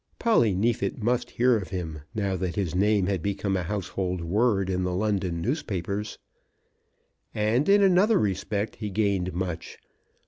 Polly Neefit must hear of him now that his name had become a household word in the London newspapers. And in another respect he gained much.